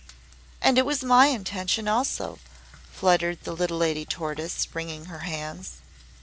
"And it was my intention also!" fluttered the little Lady Tortoise, wringing her hands!